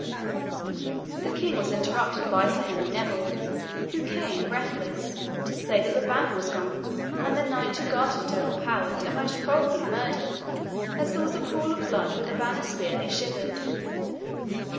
The King was interrupted by Sir Henry Neville, who came, breathless, to say that the banner was gone, and the knight who guarded it overpowered, and most probably murdered, as there was a pool of blood where the banner spear lay shivered.